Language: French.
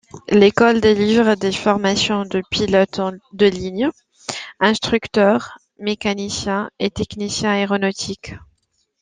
L'école délivre des formations de pilote de ligne, instructeurs, mécaniciens et techniciens aéronautiques.